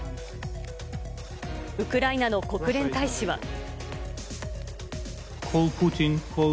ウクライナの国連大使は。